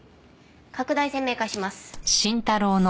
拡大鮮明化します。